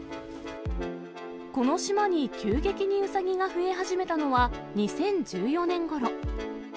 この島に急激にウサギが増え始めたのは２０１４年ごろ。